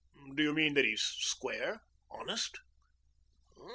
"Do you mean that he's square honest?"